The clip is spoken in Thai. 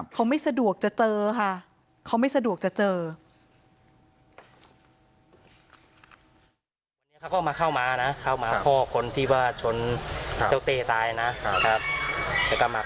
เขาไม่สะดวกจะเจอค่ะเขาไม่สะดวกจะเจอ